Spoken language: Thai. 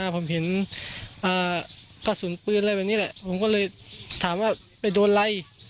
ผมเห็นกระสุนปืนอะไรแบบนี้แหละผมก็เลยถามว่าไปโดนอะไร